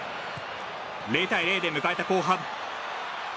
０対０で迎えた後半。